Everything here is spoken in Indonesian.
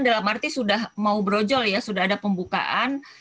dalam arti sudah mau berujol ya sudah ada pembukaan